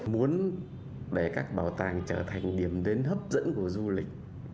muốn để các bảo tàng trở thành điểm đến hấp dẫn của du lịch